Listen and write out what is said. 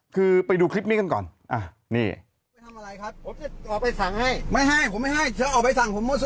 ไม่เอาคุณก็ไปเอาคุณไปเอาใบสั่งคุณไปเอาหัวขานะก่อนครับ